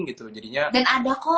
dan ada kok entah kenapa